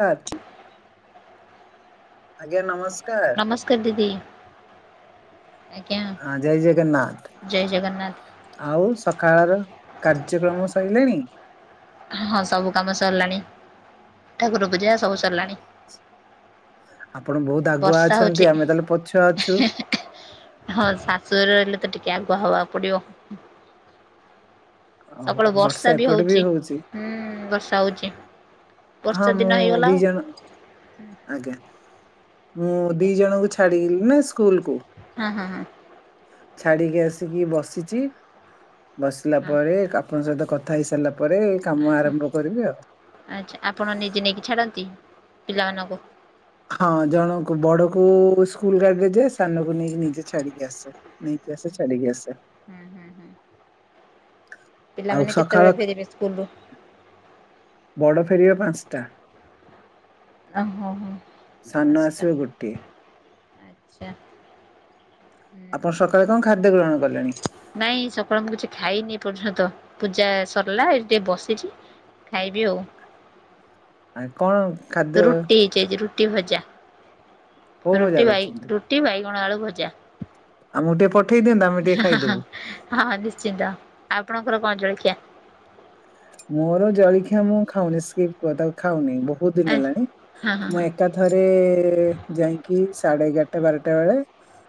Sir ଆଜ୍ଞା ନମସ୍କାର। କ ଦିଦି ଆଜ୍ଞା ଆ ଜୟ ଜଗନ୍ନାଥ ଜୟ ଜଗନ୍ନାଥ। ଆଉ ସକାଳର କାର୍ଯ୍ୟକ୍ରମ ସଇଲେଣି? ହଁ ସବୁ କାମ ସରିଲାଣି ଠାକୁର ପୂଜା ସବୁ ସରିଲାଣି। ଆପଣ ବହୁତ ଆଗୁଆ ବର୍ଷା ହଉଛି ଅଛନ୍ତି ଆମେ ତାହେଲେ ପଛୁଆ ଅଛୁ। ହଁ ଶାଶୁ ଘରେ ରହିଲେ ତ ଟିକେ ଆଗୁଆ ହବାକୁ ପଡିବ। ଅହୋ ବର୍ଷା ଏପଟେ ବି ହଉଛି। ହୁଁ ବର୍ଷା ହଉଛି ବର୍ଷା ହଁ ଦିନ ମୁଁ ହେଇଗଲା ଦି ଆଉ ଜଣ ଆଜ୍ଞା ମୁଁ ଆଜ୍ଞା ଦି ଜଣଙ୍କୁ ଛାଡିିଲି ନା ସ୍କୁଲ୍ କୁ। ହୁଁ ହୁଁ ହୁଁ। ଛାଡିକି ଆସିକି ବସିଛି ବସିଲା ହଁ ପରେ କା ଆପଣଙ୍କ ସହିତ କଥା ହେଇସାରିଲା ପରେ କାମ ଆରମ୍ଭ କରିବି ଆଉ। ଆଚ୍ଛା ଆପଣ ନିଜେ ନେଇକି ଛାଡନ୍ତି ପିଲାମାନଙ୍କୁ। ହଁ ଜଣକୁ ବଡ କୁ ସ୍କୁଲ ଗାଡିରେ ଯାଏ ସାନକୁ ନେଇକି ନିଜେ ଛାଡିକି ଆସେ। ନେଇକି ଆସେ ଛାଡ଼ିକି ଆସେ। ହୁଁ ହୁଁ ହୁଁ ଆଉ ପିଲାମାନେ ସକାଳ କେତେବେଳେ ଫେରିବେ ସ୍କୁଲରୁ? ବଡ ଫେରିବ ପାଞ୍ଚଟା ଓହୋ ହୋ ସାନ ପାଞ୍ଚଟା ଆସିବ ଗୋଟିଏ। ଆଚ୍ଛା। ହୁଁ ଆପଣ ସକାଳେ କଣ ଖାଦ୍ୟ ଗ୍ରହଣ କଲେଣି? ନାଇଁ ସକାଳୁ ମୁଁ କିଛି ଖାଇନି ଏ ପର୍ଯ୍ୟନ୍ତ ପୂଜା ସରଲା ଏଇଠି ଟିକେ ବସିଚି। ଖାଇବି ଆଉ। ଆ କଣ ଖାଦ୍ୟ ରୁଟି ହେଇଚି ଆଜି ରୁଟି ଭଜା। କୋଉ ଭଜା ରୁଟି ବାଇ କରିଛନ୍ତି? ରୁଟି ବାଇଗଣ ଆଳୁ ଭଜା। ଆମୁକୁ ତ ଏପଟ ହଁ ହଁ ହଁ ହଁ ନିଶ୍ଚିନ୍ତ ଆପଣଙ୍କର କଣ ଜଳଖିଆ? ମୋର ଜଳିଖିଆ ମୁଁ ଖାଉନି ସ୍କିପ୍ କ ତାକୁ ଖାଉନି ବୋହୁତ ଦିନ ହଁ ହେଲାଣି ହଁ ମୁଁ ଏ ଏକାଥରେ ଯାଇଁକି ସାଢେ ଏଗାରଟା ବାରଟା ବେଳେ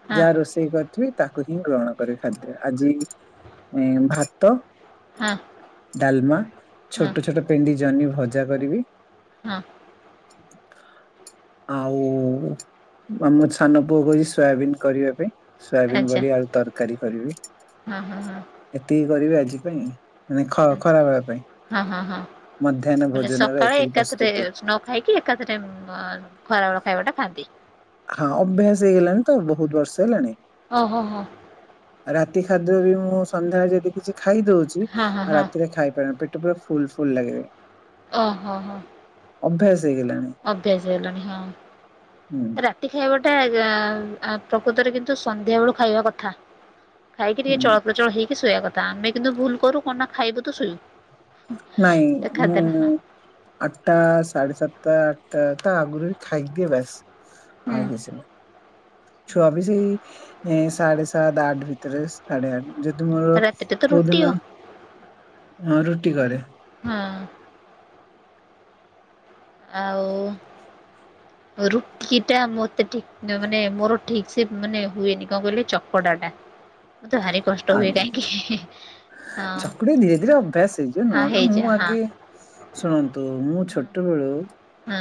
ହଁ ଯାହା ରୋଷେ ଷେଇ କରିଥିବି ତାକୁ ହିଁ ଗ୍ରହଣ କରେ ଖାଦ୍ୟ ଆଜି ଇଁ ଭାତ ହଁ ଡାଲମା ହଁ ହଁ ଛୋଟ ଛୋଟ ପେଣ୍ଡି ଜହ୍ନି ଭଜା କରିବି। ହଁ। ଆଉ ଆମ ସାନ ପୁଅ କହିଚି ସୋୟାବିନ କରିବା ପାଇଁ। ସୋୟାବିିନ ଆଚ୍ଛା ବଡି ଆଳୁ ତରକାରୀ କରିବି ହଁ ହଁ ହଁ ଏତିକି କରିବି ଆଜି ପାଇଁ। ମାନେ ଖ ଖରା ଆଚ୍ଛା ବେଳ ପାଇଁ ହଁ ହଁ ହଁ ମଧ୍ୟାହ୍ନ ତାପରେ ଭୋଜନର ସକାଳେ ଏତିକି ଏକାଥରେ ପ୍ରସ୍ତୁତି। ଅଚ୍ ନ ଖାଇକି ଏକାଥରେ ଉମ୍ ଅ ଖରାବେଳ ଖାଇବାଟା ଖାଆନ୍ତି? ହଁ ଅଭ୍ୟାସ ହେଇଗଲାଣି ତ ବୋହୁତ ବର୍ଷ ହେଲାଣି। ଓହୋ ହୋ। ରାତି ଖାଦ୍ୟ ବି ମୁଁ ସନ୍ଧ୍ୟାରେ ଯଦି କିଛି ଖାଇଦୋଉଚି ହଁ ହଁ ଆଉ ହଁ ରାତିରେ ଖାଇପାରୁନି ପେ ଟ ପୁରା ଫୁଲ ଫୁଲ ଲାଗେ। ଓହୋ ହୋ। ଅଭ୍ୟାସ ହେଇଗଲାଣି। ଅଭ୍ୟାସ ହେଇଗଲାଣି ହୁଁ ହଁ ରା ତି ଖାଇବାଟା କଁ ଅଁ ପ୍ରକୃତରେ କିନ୍ତୁ ସନ୍ଧ୍ୟାବେଳୁ ଖାଇବା କଥା। ଖାଇକି ଟିକେ ହୁଁ। ଚଳପ୍ରଚଳ ହେଇକି ଶୋଇବା କଥା ଆମେ କିନ୍ତୁ ଭୁଲ କରୁ କଣ ନା ଖାଇବୁ ତ ଶୋଇବୁ। ନାଇଁ ଖାଦ୍ୟଟା ମୁଁ ଆଠଟା ସାଢେ ସାତଟା ଆଠଟା ତ ଆଗରୁ ବି ଖାଇ ଦିଏ ବାସ ହୁଁ ଆଉ କିଛି ନୁହଁ। ଛୁଆବି ସେଇ ଏଁ ସାଢ଼େ ସାତ ଆଠ ଭିତରେ ସାଢ଼େ ଆଠ ଯଦି ମୋର ରାତିଟା ତ ରୁଟି କୋଉଦିନ ଆଉ ରୁଟି କରେ। ହଁ। ଆଉ ରୁଟିଟା ମତେ ଠିକ ମାନେ ମୋର ଠିକସେ ମାନେ ହୁଏନି କଣ କହିଲେ ଚକଟାଟା। ମତେ ଭାରି କଷ୍ଟ ହୁଏ କାହିଁକି? ହଁ ଝକୁଡି ଧୀରେ ଧୀରେ ଅଭ୍ୟାସ ହେଇଯିବ ହଁ ନୂଆ ନୂଆ ହେଇଯା ମୁଁ ହଁ ଆଗେ ଶୁଣନ୍ତୁ ମୁଁ ଛୋଟବେଳୁ ହୁଁ।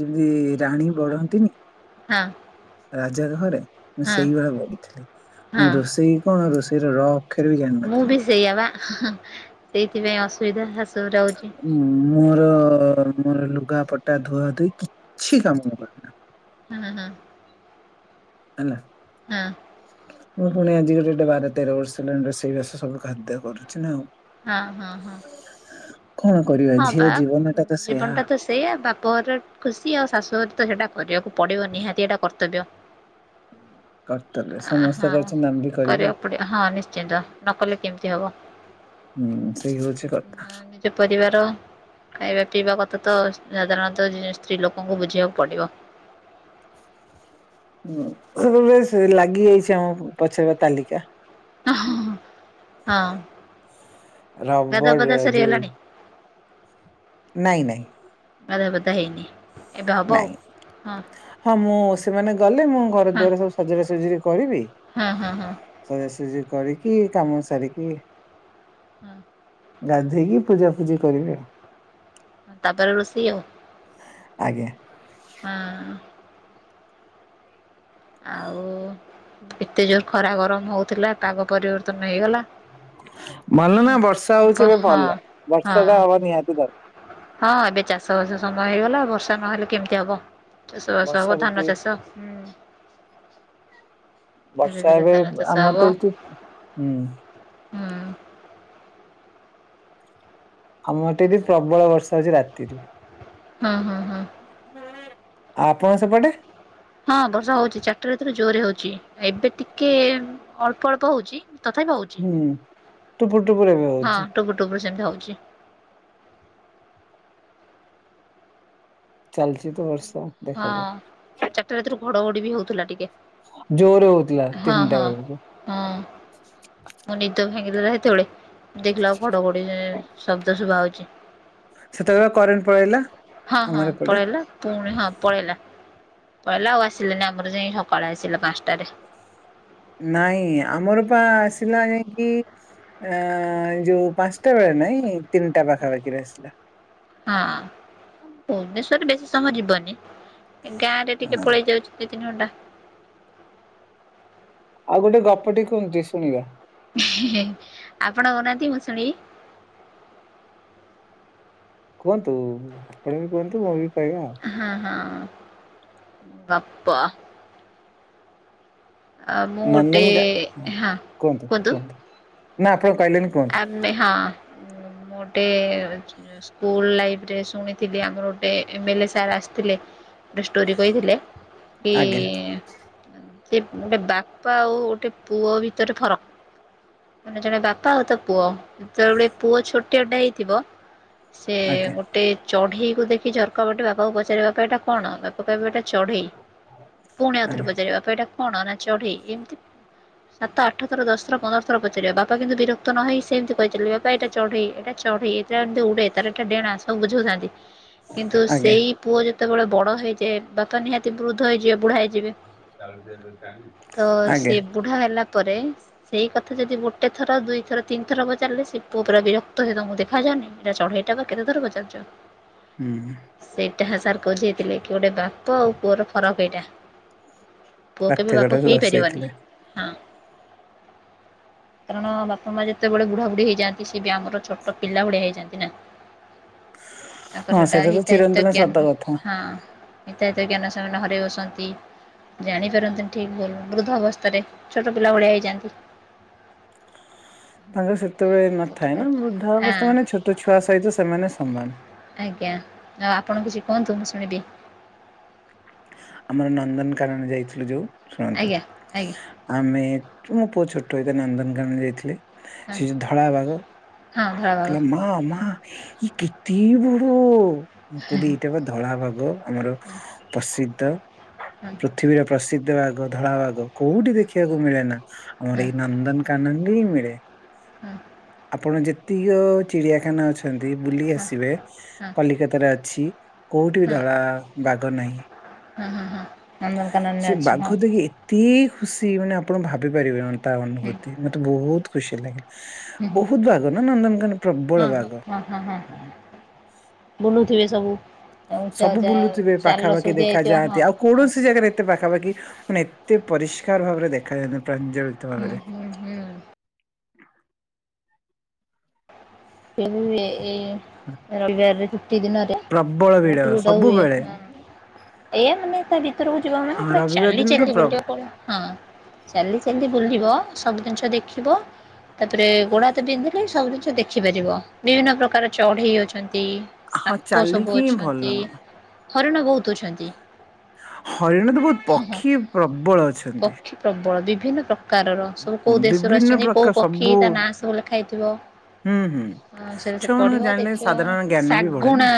ଯେମିତି ରାଣୀ ବଢନ୍ତିନି ହଁ। ରାଜାର ଘରେ ମୁଁ ହଁ ସେଇଭଳିଆ ବଢିଥିଲି ମୁଁ ହଁ ରୋଷେଇ କଣ ରୋଷେଇର ର ଅକ୍ଷର ବି ମୁଁ ଜାଣିନଥିଲି। ବି ସେଇଆ ପା ହାଁ ହାଁ ସେଇଥିପାଇଁ ଅସୁବିଧା ଶାଶୁଘରେ ହୋଉଚି। ମୁଁ ମୋର ମୋର ଲୁଗାପଟା ଧୁଆଧୁଇ କିଛି କାମ ମୁଁ କରେନା। ହଁ ହଁ ହଁ। ହେଲା। ହଁ। ମୁଁ ପୁଣି ଆଜି ଗୋ ଗୋଟେ ବାର ତେର ବର୍ଷ ହେଲାଣି ରୋଷେଇବାଷ ସବୁ ଖାଦ୍ୟ କରୁଛି ନା ଆଉ ହଁ, ହଁ, ହଁ। କଣ କରିବା ହଁ ଝିଅ ବା ଜୀବନଟା ତ ସେୟା ଜୀବନଟା ତ ସେଇଆ ବାପ ଘର ଖୁସି ଆଉ ଶାଶୁଘର ତ ସେଟା କରିବାକୁ ପଡିବ ନିହାତି ଏଇଟା କର୍ତ୍ତବ୍ୟ। [inaudible] କର୍ତ୍ତବ୍ୟ ସମସ୍ତେ ହଁ କରିଛନ୍ତି ଆମେ ବି କରିବା। [inaudible] କରିବାକୁ ପଡିବ ହଁ ନିଶ୍ଚିନ୍ତ ନକଲେ କେମିତି ହବ। ହୁଁ ସେଇ ହଉଛି କଥା। ସେ ପରିବାର ଖାଇବା ପିଇବା କଥା ତ ସାଧାରଣତଃ ସ୍ତ୍ରୀ ଲୋକଙ୍କୁ ବୁଝିବାକୁ ପଡ଼ିବ। ହଁ ସବେ ଲାଗି ଯାଇଛି ଆମ ପଚାରିବା ତାଲିକା ହଁ ଗଦାପଦା ରବର ଯୋଉ ସରିଆଲାଣି। ନାଇଁ ନାଇଁ। ଗାଧୁଆ ପାଧୁଆ ହେଇନି, ଏବେ ହେବ ନାଇଁ ଆଉ। ହଁ ମୁଁ ସେମାନେ ଗଲେ ମୁଁ ଘର ହଁ ଦ୍ୱାର ସବୁ ସଜାସଜରି କରିବି ହଁ ହଁ ହଁ। ସଜାସଜି କରିକି କାମ ସାରିକି ହୁଁ। ଗାଧୋଇକି ପୂଜା ପୂଜି କରିବି ଆଉ ହଁ ତାପରେ ରୋଷେଇ ଆଉ ଆଜ୍ଞା। [inaudible] ଆଉ ଏତେ ଜୋର ଖରା ଗରମ ହଉଥିଲା ପାଗ ପରିବର୍ତ୍ତନ ହେଇଗଲା। ମନେ ନା ବର୍ଷା ହଉଛି ହଁ ଏବେ ଭଲ ବର୍ଷା ତ ହଁ ହବ ନିହାତି ଦରକାର ହଁ ଏବେ ଚାଷବାସ ସମୟ ହେଇଗଲା ବର୍ଷା ନହେଲେ କେମିତି ହବ? ଚାଷବାସ ବର୍ଷା ହବ ଋତୁ ଧାନ ଚାଷ ହୁଁ। ଧୀରେ ବର୍ଷା ଧୀରେ ଏବେ ଧାନ ଚାଷ ଆମର ହବ ତ ଏଠି ହୁଁ। ହୁଁ ଆମ ଏ ଟଠି ପ୍ରବଳ ବର୍ଷା ହଉଛି ରାତିରୁ। ହୁଁ ଆଉ ହୁଁ ହୁଁ ଆପଣଙ୍କ ସେପଟେ? ହଁ ବର୍ଷା ହଉଛି ଚାରିଟା ଭିତରେ ଜୋରରେ ହଉଛି ଏବେ ଟିକେ ଅଳ୍ପ ଅଳ୍ପ ହଉଛି ତଥାପି ହଉଛି। ହୁଁ ଟୁପୁର ଟୁପୁର ଏବେ ହଉଛି। ଟୁପୁରୁ ଟୁପୁରୁ ସେମିତି ହଉଛି। ଚାଲିଛି ତ ବର୍ଷ ହଁ ଚାରିଟା ରାତିରୁ ଘଡଘଡି ବି ହଉଥିଲା ଟିକେ ଜୋର ହଉଥିଲା ହଁ ତିନିଟା ହଁ ବେଳକୁ ହଁ ମୋ ନିଦ ଭେଙ୍ଗିଦେଲା ସେତେବେଳେ ଦେଖିଲା କୁ ଘଡ଼ ଘୋଡ଼ି ଶବ୍ଦ ଶୁଭ ହଉଛି। ସେତେବେଳେ ପା କରେଣ୍ଟ ପଳାଇଲା। ହଁ ହଁ ପଳେଇଲା। ପୁଣି ହଁ ପଳେଇଲା ପଳେଇଲା ଆଉ ଆସିଲେନି ଆମର ଯାଇ ସକାଳେ ଆସିଲା ପାଞ୍ଚଟାରେ ନାଇଁ ଆମର ପା ଆସିଲା ଯାଇକି ଅ ଯୋଉ ପାଞ୍ଚଟା ବେଳେ ନହିଁ ତିନିଟା ପାଖାପାଖିରେ ଆସିଲା। ହଁ ଭୁବନେଶ୍ଵରରେ ବେଶୀ ସମୟ ଯିବନି ଗାଁ ରେ ଟିକେ ହଁ। ପଳେଇ ଯାଉଛି। ଦି ତିନି ଘଣ୍ଟା ଆଉ ଗୋଟେ ଗପ ଟେ କୁହନ୍ତୁ ଶୁଣିବା। ଆପଣ କହୁନାହାନ୍ତି ମୁଁ ଶୁଣବି। କୁହନ୍ତୁ। ଆପଣ ବି କୁହନ୍ତୁ, ମୁଁ ବି କହିବା ଆଉ ହଁ ହଁ ଗପ ମୁଁ ଗୋଟେ ନନ୍ଦନକା ହଁ କୁହନ୍ତୁ କୁହନ୍ତୁ ନା ଆପଣ କହିଲେନି। କୁହନ୍ତୁ ଏମ ଏ ହଁ ମୋଟେ ସ୍କୁଲ ଲାଇଫିରେ ଶୁଣିଥିଲି ଆମର ଗୋଟେ ଏ ମେ ଲେ ସାର୍ ଆସିଥିଲେ। ଗୋଟେ ଷ୍ଟୋରି କହିଥିଲେ କି ଆଜ୍ଞା ସେ ଗୋଟେ ବାପା ଆଉ ଗୋଟେ ପୁଅ ଭିତରେ ଫରକ ମାନେ ଜଣେ ବା ପା ଆଉ ତା ପୁଅ ଯେତେବେଳେ ପୁଅ ଛୋଟିଆଟେ ହେଇଥିବ ସେ ଆଜ୍ଞା ଗୋ ଟେ ଚଢେଇ କୁ ଦେଖି ଝରକା ବଟେ ବାପାକୁ ପଚାରିବା ପାଇଁ ଏଟା କଣ ବାପା କହିବେ ଏଟା ଚଢେଇ। ପୁଣି ଆଉଥରେ ଆଜ୍ଞା ପଚାରିବ ବାପା ଏଟା କଣ ନା ଚଢେଇ ଏମିତି ସାତ ଆଠ ଥର ଦଶ ଥର ପନ୍ଦର ଥର ପଚାରିବା ବାପା କିନ୍ତୁ ବିର କ୍ତ ନହେଇ ସେମିତି କହିଚାଲିବେ ବାପା ଏଟା ଚଢେଇ ଏଟା ଚଢେଇ ଏଟା ଏମିତି ଉଡେ ତାର ଏଟା ଡେଣା ସବୁ ବୁଝୋଉଥାନ୍ତି। କିନ୍ତୁ ଆଜ୍ଞା ସେଇ ପୁଅ ଯେତେବେଳେ ବଡ ହେଇଯାଏ ବାପା ନିହାତି ବୃଦ୍ଧ ହେଇଯିବେ ବୁଢା ହେଇଯିବେ। ଆଜ୍ଞା। ବୁଢା ହେଲା ପରେ ସେଇ କଥା ଯଦି ଗୋଟେ ଥର ଦୁଇ ଥର ତିନିଥର ପଚାରିଲେ ସେ ପୁଅ ପୁରା ବିରକ୍ତ ହେ ତମକୁ ଦେଖାଯାଉନି ଏଟା ଚଢେଇଟା ପା କେତେଥର ପଚାରୁଚ। ହୁଁ। ସେଇଟା ସାର୍ ବୁଝେଇଥିଲେ କି ଗୋଟେ ବାପ ଆଉ ପୁଅର ଫରକ ଏଇଟା। ପୁଅ କେବେ ବାପ ପାଠ୍ୟକଟାରୁ ହେଇପାରିବନି ବସିଯାଇଥିଲେ ହଁ କାରଣ ବା ପ ମା ଯେତେବେଳେ ବୁଢା ବୁଢୀ ହେଇଯାନ୍ତି ସେ ବି ଆମର ଛୋଟ ପିଲା ଭଳିଆ ହେଇଯାନ୍ତି ନା। ତାଙ୍କର ହଁ ସେଟା ସେଇଟା ତ ହିତା ହିତ ଚିରନ୍ତନ ସତ ଜ୍ଞାନ କଥା। ହଁ ହିତା ହିତ ଜ୍ଞାନ ସେମାନେ ହରେଇ ବସନ୍ତି। ଜାଣିପାରନ୍ତିନି ଠିକ୍ ଭୁଲୁ ବୃଦ୍ଧ ଅବସ୍ଥାରେ ଛୋଟ ପିଲା ଭଳିଆ ହେଇଯାନ୍ତି। ତାଙ୍କର ସେତେବେଳେ ସେଟା ନଥାଏ ନା ବୃଦ୍ଧା ଆଁ ଅବସ୍ଥା ମାନେ ଛୋଟ ଛୁଆ ସହିତ ସେମାନେ ସମାନ। ଆଜ୍ଞା ଆଉ ଆପଣ କିଛି କୁହନ୍ତୁ ମୁଁ ଶୁଣିବି। ଆମର ନନ୍ଦନକାନନ ଯାଇଥିଲୁ ଯୋଉ ଶୁଣନ୍ତୁ। ଆଜ୍ଞା ଆଜ୍ଞା ଆମେ ମୋ ପୁଅ ଛୋଟ ହେଇଥିଏ ନନ୍ଦନକାନ ଯାଇଥିଲି। ହଁ ସେ ଯୋଉ ଧଳା ବାଘ ହଁ ଧଳା ବାଘ କହିଲା ମା ମା ଏ କେତେ ବଡ ମୁଁ କହିଲି ଏଇଟା ପା ଧଳା ବାଘ ଆମର ହଁ ପ୍ରସିଦ୍ଧ। ହଁ ପୃଥିବୀର ପ୍ରସିଦ୍ଧ ଆଗ ଧଳା ବାଘ। କୋଉଠି ହଁ ହଁ ଦେଖିବାକୁ ମିଳେ ନା ଆମର ଏଇ ନନ୍ଦନକାନନରେ ହିଁ ମିଳେ। ହୁଁ। ଆପଣ ଯେତିକ ଚିଡିଆଖାନା ଅଛି। ଏମିତି କି ବୁଲି ହଁ ଆସିବେ କଲିକତାରେ ଅଛି କୋଉଠି ବି ଧଳା ବାଘ ନାହିଁ। ହୁଁ ହୁଁ ହୁଁ ନନ୍ଦନକାନନ ସେ ରେ ଅଛି ବାଘ ହଁ। ଦେଖି ଏତେ ଖୁସି ମାନେ ଆପଣ ଭାବି ପାରିବେ ତା ହଁ ଅନୁଭୂତି ମତେ ବୋହୁତ ଖୁସି ଲାଗେ। ହଁ ବୋହୁତ ବାଘ ନା ନନ୍ଦନକାନ ପ୍ରବଳ ହଁ ବାଘ। ହଁ ହଁ ହଁ ବୁଲୁଥିବେ ସବୁ। ଆଉ ଚା ସବୁ ଚା ବୁଲୁଥିବେ ଚାଲ ସବୁ ପାଖାପାଖି ଦେଖା ଦିଆଯାଇଥିବ ହଁ। ଯାଆନ୍ତି। ଆଉ କୌଣସି ଜାଗାରେ ଏତେ ପାଖାପାଖି ମାନେ ଏତେ ପରିଷ୍କାର ଭାବରେ ଦେଖାଯାନ୍ତି ପ୍ରାଞ୍ଜଳ ହୁଁ ହୁଁ ହୁଁ। [unintelligible] ଏ ରବିବାରରେ ଛୁଟି ଦିନରେ ପ୍ରବଳ ଭିଡ ବୋହୁତ ଭିଡ‌ ହୁଏ ସବୁବେଳେ। ହଁ। ଏଇଆା ମାନେ ତା ଭିତରକୁ ଯିବ ମାନେ ହଁ ପୁରା ରବିବାର ଚାଲି ଦିନ ତ ଚାଲି ପ୍ର ବୁଲିବାକୁ ପଡିବ ହଁ। ଚାଲି ଚାଲି ବୁଲିବ ସବୁ ଜିନିଷ ଦେଖିବ ତାପରେ ଗୋଡ ହାତ ପିନ୍ଧିଲେ ସବୁ ଜିନିଷ ଦେ ଖିପାରିବ ବିଭିନ୍ନ ପ୍ରକାର ଚଢେଇ ଅଛନ୍ତି। ହଁ ସାପ ସବୁ ଚାଲିକି ହିଁ ଅଛନ୍ତି। ଭଲ। ହରିଣ ବୋହୁତ ଅଛନ୍ତି। ହରିଣ ତ ବୋହୁତ ହଁ। ପକ୍ଷୀ ପ୍ରବଳ ଅଛନ୍ତି। ପକ୍ଷୀ ପ୍ରବଳ ବିଭିନ୍ନ ପ୍ରକାରର ସବୁ କେଉଁ ଦେଶରୁ ବିଭିନ୍ନ ଅଛନ୍ତି। ପ୍ରକାର କୋଉ ପକ୍ଷୀ ସବୁ ତା ହୁଁ ନାଁ ସବୁ ଲେଖା ହେଇଥିବ। ହୁଁ ହଁ ସେରା ସବୁ ଛୁଆ ମାନଙ୍କୁ ପଢିବ ଜାଣିଲେ ଦେଖିବ ସାଧାରଣ ଜ୍ଞାନ ବି ବଢେ ଶାଗୁଣା ନା।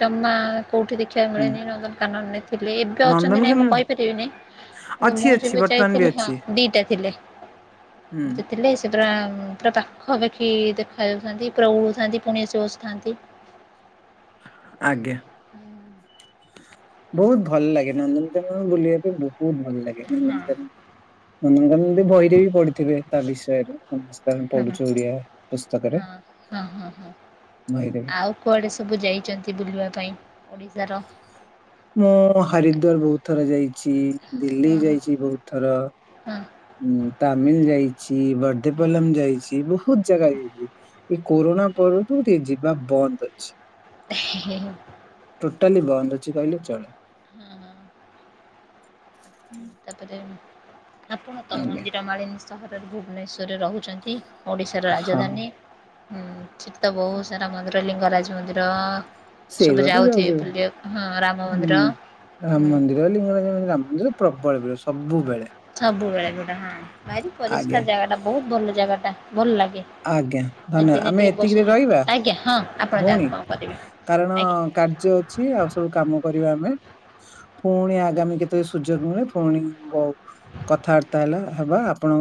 ଜମା କୋଉଠି ଦେଖିବାକୁ ହୁଁ ମିଳେନି ନନ୍ଦନକାନନରେ ଥିଲେ ଏବେ ଅଛନ୍ତି ନାଇଁ ମୁଁ ନନ୍ଦନକାନନ କହିପାରିବିନି। ଅଛି ମୁଁ ଅଛି ଯେବେ ବର୍ତ୍ତମାନ ବି ଯାଇଥିଲି ହଁ ଅଛି ଦିଇଟା ଥିଲେ ହୁଁ। ଦିଟା ଥିଲେ। ସେ ପୁରା ପୁରା ପାଖାପାଖି ଦେଖାଯାଉଥାନ୍ତି ପୁରା ଉଡୁଥାନ୍ତି ପୁଣି ଆସି ବସୁଥାନ୍ତି। ଆଜ୍ଞା। ବୋହୁତ ଭଲ ଲାଗେ ନନ୍ଦନକାନନ ବୁଲିବା ପାଇଁ ବୋହୁତ ଭଲ ଲାଗେ [inaudible] କାନ ହଁ ନନ୍ଦନକାନନ ବହିରେ ବି ପଢିଥିବେ? ତା ବିଷୟରେ ସମସ୍ତେ ଆମେ ପଢ଼ୁଚୁ ଓଡ଼ିଆ ପସ୍ତକରେ। ହୁଁ ହୁଁ ହୁଁ। ବହିରେ ବି। କୁଆଡ଼େ ସବୁ ଯାଇଛନ୍ତି ବୁଲିବା ପାଇଁ ଓଡ଼ିଶାର? ମୁଁ ହରିଦ୍ୱାର ବହୁତ ଥର ଯାଇଛି ଦିଲ୍ଲୀ ହଁ ଯାଇଛି ବହୁତ ଥର। ହଁ ଉଁ ତାମିଲ ଯାଇଛି ବର୍ଦ୍ଧେପଲମ ଯାଇଛି ବହୁତ ଜାଗା ଯାଇଛି। କୋରୋନା ପରଠୁ ଟିକେ ଯିବା ବନ୍ଦ ଅଛି। ହେ ହେ ହେ। ଟୋଟାଲି ବନ୍ଦ ଅଛି କହିଲେ ଚଳେ। ହଁ ହଁ। ହୁଁ। ତାପରେ ଆପଣ ତ ମନ୍ଦିର ମାଳିନୀ ସହରରେ ଭୁବନେଶ୍ୱରରେ ରହୁଛନ୍ତି। ଓଡ଼ିଶାର ହଁ ରାଜଧାନୀ ସେଠି ତ ବହୁତ ସାରା ମନ୍ଦିର ଲିଙ୍ଗରାଜ ମନ୍ଦିର ସବୁ ସେଇଗୁଡା ତ ଯାଉଛୁ ଯାଉଥିବେ ବୁଲିବାକୁ ହଁ ରାମ ମନ୍ଦିର ହୁଁ। ଏବେ ଲିିଙ୍ଗରାଜ ମନ୍ଦିର ରାମ ମନ୍ଦିର ପ୍ରବଳ ଭିଡ ସବୁବେଳେ। ସବୁବେଳେ ଭିଡ ହଁ ଭାରି ଆଜ୍ଞା। ପରିଷ୍କାର ଜାଗାଟା ବହୁତ ଭଲ ଜାଗାଟା ଭଲ ଲାଗେ। ଆଜ୍ଞା ଧନ୍ୟବାଦ ସେଦିନେ ଆମେ ଟିକେ ଏତିକିରେ ବସୁଛୁ ରହିବା ଆଜ୍ଞା ହଁ ଆପଣ ଭଉଣୀ ଯାଆନ୍ତୁ କଣ କରିବେ କାରଣ ଆଜ୍ଞା। କାର୍ଯ୍ୟ ଅଛି ଆଉ ସବୁ କାମ କରିବା ଆମେ ପୁଣି ଆଗାମୀ କେତେ ସୁଯୋଗ ମିଳେ ପୁଣି ଗ କଥାବାର୍ତ୍ତା ହେଲା ହେବା ଆପଣଙ୍କ